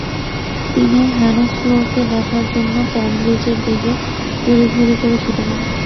তিনি হেনস্লোকে দেখার জন্য কেমব্রিজের দিকে তড়িঘড়ি করে ছুটে যান।